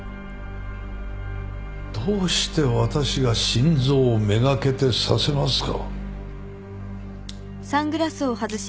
どうして私が心臓めがけて刺せますか？